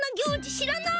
知らない！